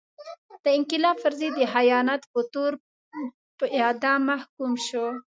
د انقلاب پر ضد د خیانت په تور په اعدام محکوم شو.